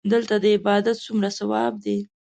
دلته د عبادت څومره ثواب دی.